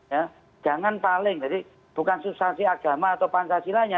ya jangan paling jadi bukan substansi agama atau pancasilanya